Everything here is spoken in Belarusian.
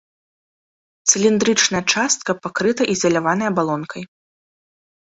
Цыліндрычная частка пакрыта ізаляванай абалонкай.